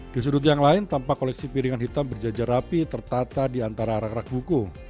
di sudut yang lain tampak koleksi piringan hitam berjajar rapi tertata di antara rak rak hukum